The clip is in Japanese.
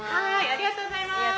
ありがとうございます。